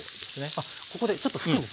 あっここでちょっと拭くんですね。